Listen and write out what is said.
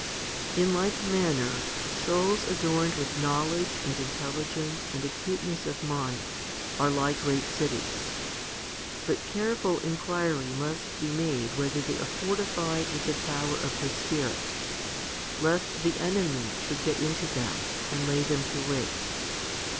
In like manner, souls adorned with knowledge and intelligence and acuteness of mind are like great cities. But careful inquiry must be made whether they are fortified with the power of the Spirit, lest the enemy should get into them and lay them waste.